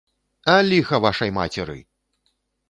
А ліха вашай мацеры!